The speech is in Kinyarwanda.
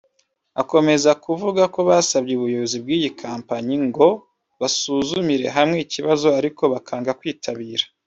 Akomeza avuga ko basabye ubuyobozi bw’iyi kompanyi ngo basuzumire hamwe ikibazo ariko bukanga kwitabira